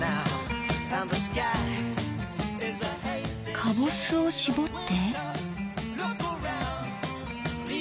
かぼすを搾って。